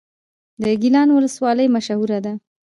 د ګیلان ولسوالۍ مشهوره ده